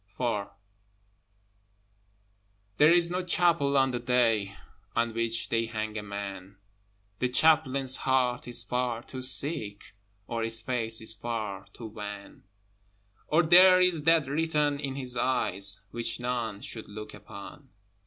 IV There is no chapel on the day On which they hang a man: The Chaplain's heart is far too sick, Or his face is far to wan, Or there is that written in his eyes Which none should look upon.